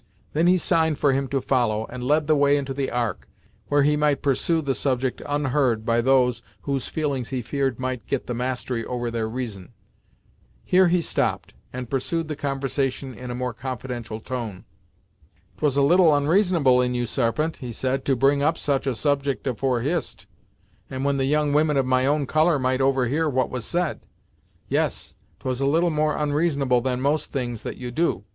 Then he signed for him to follow, and led the way into the Ark, where he might pursue the subject unheard by those whose feelings he feared might get the mastery over their reason. Here he stopped, and pursued the conversation in a more confidential tone. "'Twas a little onreasonable in you Sarpent," he said, "to bring up such a subject afore Hist, and when the young women of my own colour might overhear what was said. Yes, 'twas a little more onreasonable than most things that you do.